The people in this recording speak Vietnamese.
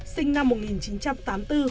sinh năm một nghìn chín trăm tám mươi bốn